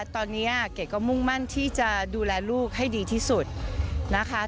ตอนนี้เกดก็มุ่งมั่นที่จะดูแลลูกให้ดีที่สุดนะคะ